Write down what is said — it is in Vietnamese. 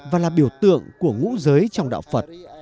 và là biểu tượng của ngũ giới trong đạo phật